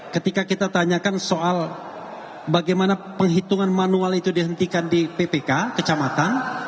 ketika kita tanyakan soal bagaimana penghitungan manual itu dihentikan di ppk kecamatan